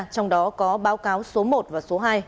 trong đó có báo cáo số một và số hai